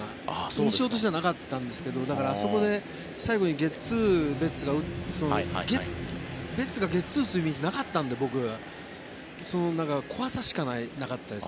印象としてはなかったんですがそこで、最後ゲッツーをベッツがゲッツーを打つイメージはなかったので怖さしかなかったです。